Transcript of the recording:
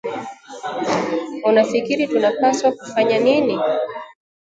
Unafikiri tunapaswa kufanya nini?